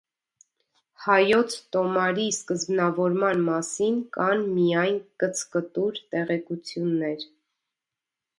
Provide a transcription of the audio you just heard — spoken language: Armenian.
Հայոց տոմարի սկզբնավորման մասին կան միայն կցկտուր տեղեկություններ։